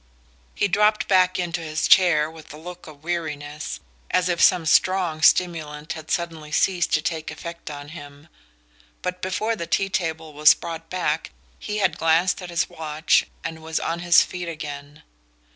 He dropped back into his chair with a look of weariness, as if some strong stimulant had suddenly ceased to take effect on him; but before the tea table was brought back he had glanced at his watch and was on his feet again.